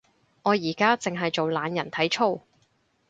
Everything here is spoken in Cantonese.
我而家淨係做懶人體操